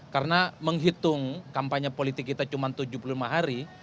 karena menghitung kampanye politik kita cuma tujuh puluh lima hari